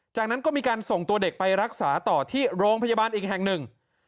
จากนั้นก็มีการส่งตัวเด็กไปรักษาต่อที่โรงพยาบาลอีกแห่งหนึ่ง